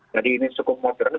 jadi ini cukup muderat